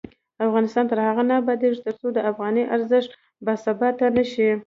افغانستان تر هغو نه ابادیږي، ترڅو د افغانۍ ارزښت باثباته نشي.